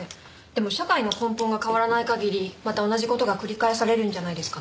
でも社会の根本が変わらない限りまた同じ事が繰り返されるんじゃないですかね。